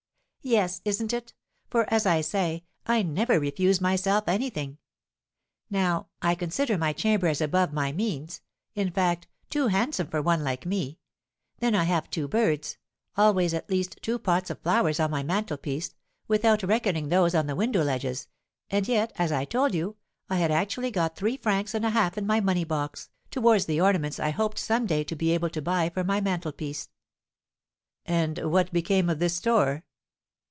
"Yes, isn't it? for, as I say, I never refuse myself anything. Now, I consider my chamber as above my means; in fact, too handsome for one like me; then I have two birds; always, at least, two pots of flowers on my mantelpiece, without reckoning those on the window ledges; and yet, as I told you, I had actually got three francs and a half in my money box, towards the ornaments I hoped some day to be able to buy for my mantelpiece." "And what became of this store?"